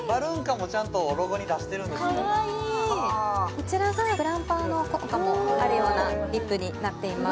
こちらがプランパーの効果もあるようなリップになっています